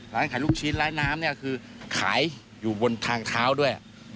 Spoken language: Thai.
ร้านขายลูกชิ้นร้านน้ำเนี่ยคือขายอยู่บนทางเท้าด้วย